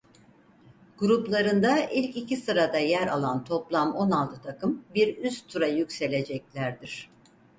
Gruplarında ilk iki sırada yer alan toplam on altı takım bir üst tura yükseleceklerdir.